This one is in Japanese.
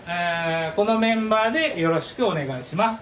このメンバーでよろしくお願いします。